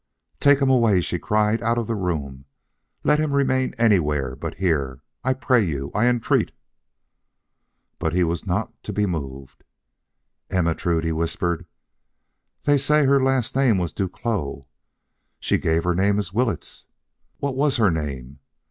"Take him away!" she cried. "Out of the room! Let him remain anywhere but here. I pray you; I entreat." But he was not to be moved. "Ermentrude," he whispered; "they say her name was Duclos. She gave her name as Willetts. What was her name?